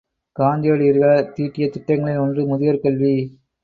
காந்தியடிகளார் தீட்டிய திட்டங்களில் ஒன்று முதியோர் கல்வி.